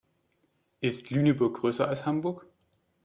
Ist Lüneburg größer als Hamburg?